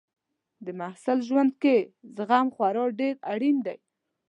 د محصل ژوند کې زغم خورا ډېر اړین دی.